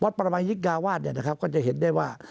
วัดประมายยิกกาวาดนะครับก็จะเห็นได้ว่า